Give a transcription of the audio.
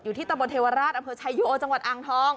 ที่ตะบนเทวราชอำเภอชายโยจังหวัดอ่างทอง